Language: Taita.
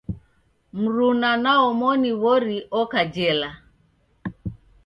Mruna na omoni w'ori oka jela.